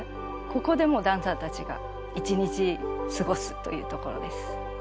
ここでもうダンサーたちが一日過ごすというところです。